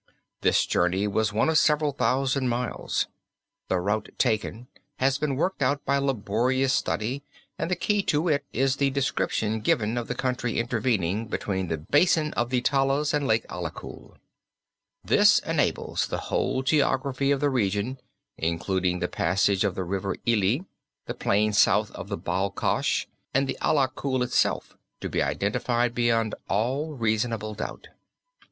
This journey was one of several thousand miles. The route taken has been worked out by laborious study and the key to it is the description given of the country intervening between the basin of the Talas and Lake Ala Kul. This enables the whole geography of the region, including the passage of the River Ili, the plain south of the Bal Cash, and the Ala Kul itself, to be identified beyond all reasonable doubt.